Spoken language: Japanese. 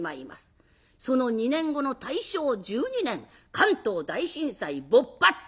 その２年後の大正１２年関東大震災勃発。